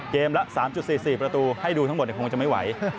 ละ๓๔๔ประตูให้ดูทั้งหมดคงจะไม่ไหว